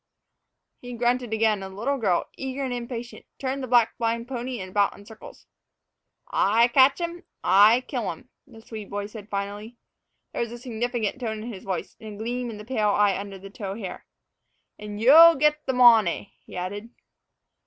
He grunted again, and the little girl, eager and impatient, turned the blind black pony about in circles. "Ay catch 'em, ay kill 'em," the Swede boy said finally. There was a significant tone in his voice, and a gleam in the pale eyes under the tow hair. "An' yo' gate th' mownay," he added.